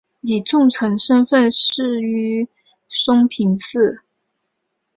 以重臣身份仕于松平氏。